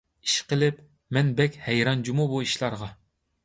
ئىشقىلىپ، مەن بەك ھەيران جۇمۇ بۇ ئىشلارغا.